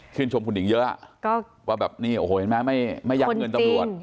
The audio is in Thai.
ชมคุณหญิงเยอะว่าแบบนี้โอ้โหเห็นไหมไม่ยัดเงินตำรวจ